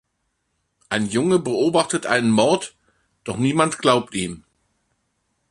Ein Junge beobachtet einen Mord, doch niemand glaubt ihm.